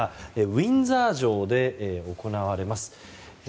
ウィンザー城で行われます。